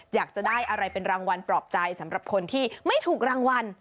อยากจะได้อะไรเป็นรางวัลปลอบใจสำหรับคนที่ไม่ถูกรางวัล